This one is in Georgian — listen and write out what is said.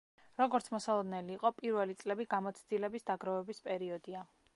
როგორც მოსალოდნელი იყო, პირველი წლები გამოცდილების დაგროვების პერიოდია.